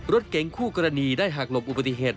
รถเก๋งคู่กรณีได้หักหลบอุบัติเหตุ